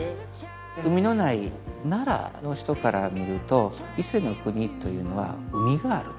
海のない奈良の人から見ると伊勢の国というのは海があると。